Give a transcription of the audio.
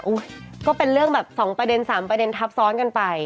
ก็เป็นเรื่องแบบ๒ประเด็น๓ประเด็นทับซ้อนกันไป